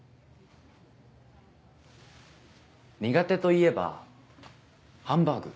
苦手といえばハンバーグ。